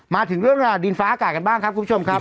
มาถึงเรื่องราวดินฟ้าอากาศกันบ้างครับคุณผู้ชมครับ